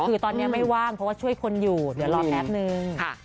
คือตอนนี้ไม่ว่างเพราะว่าช่วยคนอยู่เดี๋ยวรอแป๊บนึง